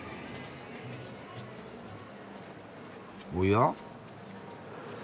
おや？